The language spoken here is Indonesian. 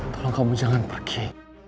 tolong kamu jangan pergi